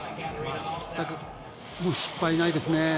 全く失敗がないですね。